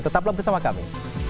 tetaplah bersama kami